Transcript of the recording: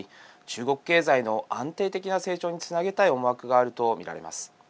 中国経済の安定的な成長につなげたい思惑があると見られます。